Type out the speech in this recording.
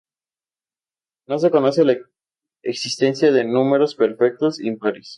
No se conoce la existencia de números perfectos impares.